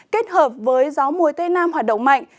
kết hợp với gió mùa tây nam hoạt động mạnh